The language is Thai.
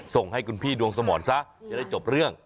ส่งให้คุณพี่ดวงสมรซะจะได้จบเรื่อง